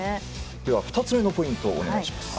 では２つ目のポイントをお願いします。